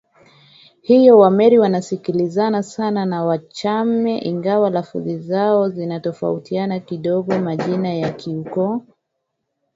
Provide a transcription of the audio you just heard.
hiyo Wameru wanasikilizana sana na Wamachame ingawa lafudhi zao zinatofautiana kidogoMajina ya kiukoo